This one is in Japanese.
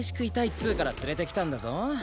っつうから連れてきたんだぞ。